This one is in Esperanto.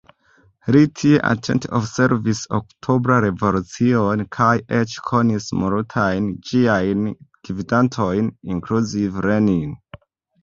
Li tie atente observis Oktobra Revolucion kaj eĉ konis multajn ĝiajn gvidantojn, inkluzive Lenin.